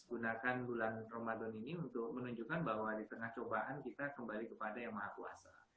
gunakan bulan ramadan ini untuk menunjukkan bahwa di tengah cobaan kita kembali kepada yang maha kuasa